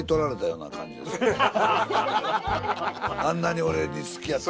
あんなに俺に好きやって。